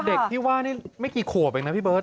เด็กที่ว่านี่ไม่กี่ขวบเองนะพี่เบิร์